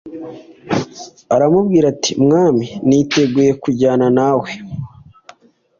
Aramubwira ati Mwami niteguye kujyana nawe